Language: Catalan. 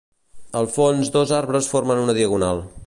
Al fons, dos arbres formen una diagonal.